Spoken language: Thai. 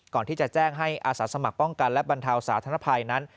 ก่อนที่จะแจ้งให้อาสาสมัครป้องกันและบรรเทาสาธารณภัยนั้น